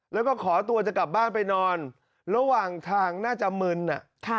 แล้วก็ขอตัวจะกลับบ้านไปนอนระหว่างทางน่าจะมึน